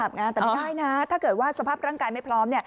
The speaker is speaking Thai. แต่ไม่ได้นะถ้าเกิดว่าสภาพร่างกายไม่พร้อม